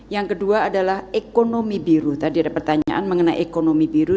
yang kedua adalah ekonomi biru tadi ada pertanyaan mengenai ekonomi biru